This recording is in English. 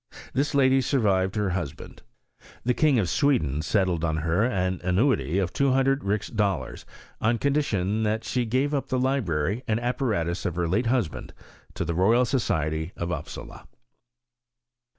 This lady survived her husband. The King of Sweden settled on her an annuity of 200 ris dollars, on condition that she gave up the library and apparatus of her late husband to the Royal Society of Upsala.